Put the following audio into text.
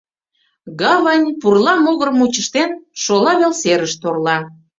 Гавань, пурла могырым мучыштен, шола вел серыш торла.